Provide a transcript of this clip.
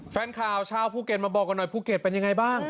แฟนข่าวชาวภูเก็ตมาบอกกันหน่อยภูเก็ตเป็นยังไงบ้าง